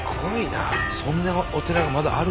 そんなお寺がまだあるんだ。